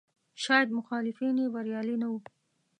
شاید مخالفین یې بریالي نه وو.